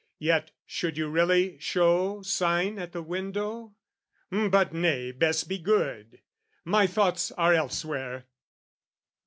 Yet should you really show "Sign at the window...but nay, best be good! "My thoughts are elsewhere."